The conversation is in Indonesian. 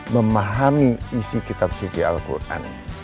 memahami isi kitab suci al quran